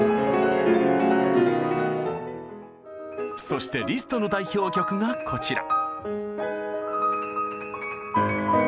そしてリストの代表曲がこちら。